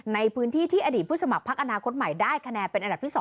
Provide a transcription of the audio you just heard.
ในพื้นที่ที่อดีตผู้สมัครพักอนาคตใหม่ได้คะแนนเป็นอันดับที่๒